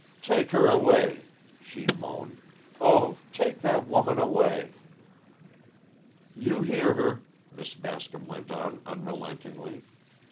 "Take her away," she moaned, "oh, take that woman away." "You hear her," Miss Bascom went on, unrelentingly.